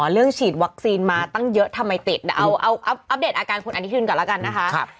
ฉีดวัคซีนมาตั้งเยอะทำไมติดแต่เอาอัปเดตอาการคุณอนุทินก่อนแล้วกันนะคะ